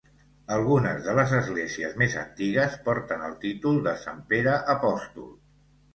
Algunes de les esglésies més antigues porten el títol de Sant Pere Apòstol.